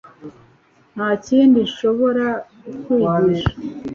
Nta kindi nshobora kukwigisha